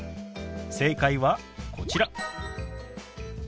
正解はこちら。